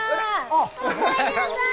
あっ！お帰りなさい！